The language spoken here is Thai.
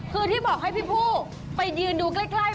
คือที่บอกให้พี่ผู้ไปยืนดูใกล้